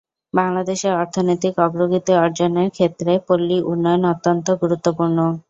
বাংলাদেশের অর্থনৈতিক অগ্রগতি অর্জনের ক্ষেত্রে পল্লী উন্নয়ন অত্যন্ত গুরুত্বপূর্ণ।